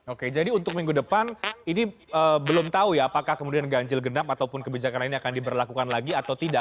oke jadi untuk minggu depan ini belum tahu ya apakah kemudian ganjil genap ataupun kebijakan ini akan diberlakukan lagi atau tidak